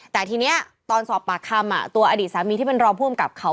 แต่ทีนี้ตอนสอบปากคำตัวอดีตสามีที่เป็นรองผู้อำกับเขา